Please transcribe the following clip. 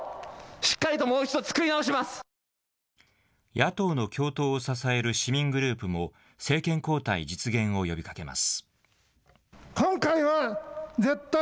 野党の共闘を支える市民グループも政権交代実現を呼びかけます。